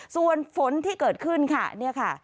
ส่วนฝนที่เกิดขึ้นค่ะ